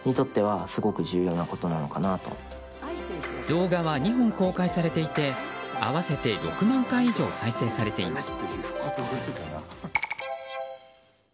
動画は２本公開されていて合わせて６万回以上再生されています。